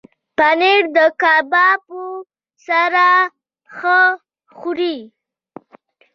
پنېر د کبابو سره ښه خوري.